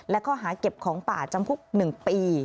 และข้อหาเก็บของป่าจำคุก๑ปี